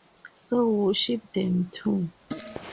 So worship them too!